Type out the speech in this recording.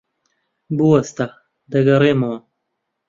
بوەستە. دەگەڕێمەوە.